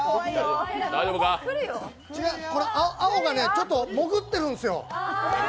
違う、青がちょっと潜ってるんですよ！